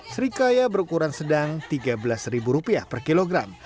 serikaya berukuran sedang rp tiga belas per kilogram